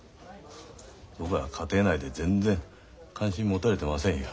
僕は家庭内で全然関心持たれてませんよ。